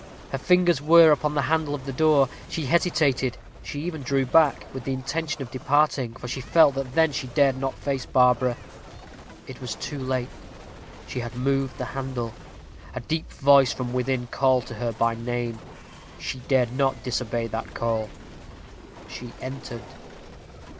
Her fingers were upon the handle of the door. She hesitated: she even drew back, with the intention of departing, for she felt then that she dared not face Barbara. It was too late she had moved the handle. A deep voice from within called to her by name. She dared not disobey that call she entered.